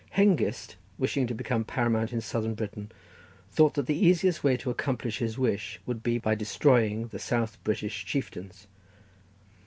Hengist, wishing to become paramount in Southern Britain, thought that the easiest way to accomplish his wish would be by destroying the South British chieftains.